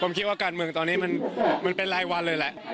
ผมคิดว่าการเมืองตอนนี้มันเป็นรายวันเลยแหละ